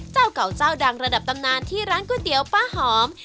เจ้าเก่าเจ้าดังระดับตำนานที่ร้านก๋วยเตี๋ยวป้าหอม